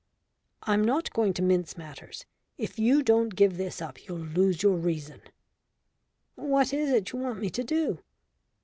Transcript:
I'm not going to mince matters if you don't give this up you'll lose your reason." "What is it you want me to do?"